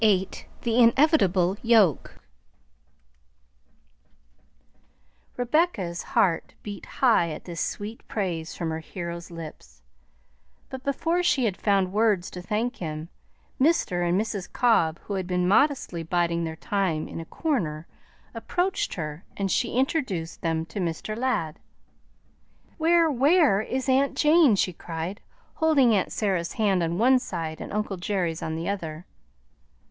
XXVIII "TH' INEVITABLE YOKE" Rebecca's heart beat high at this sweet praise from her hero's lips, but before she had found words to thank him, Mr. and Mrs. Cobb, who had been modestly biding their time in a corner, approached her and she introduced them to Mr. Ladd. "Where, where is aunt Jane?" she cried, holding aunt Sarah's hand on one side and uncle Jerry's on the other.